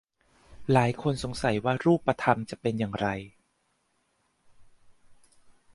หลายคนสงสัยว่ารูปธรรมจะเป็นอย่างไร